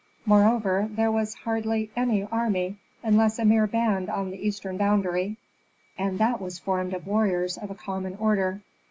Moreover, there was hardly any army unless a mere band on the eastern boundary, and that was formed of warriors of a common order.